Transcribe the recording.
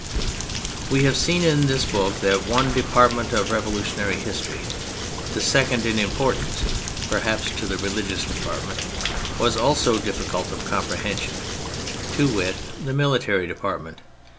We have seen in this book that one depart ment of revolutionary history, the second in importance, perhaps, to the religious depart ment, was also difficult of comprehension — to wit, the military department.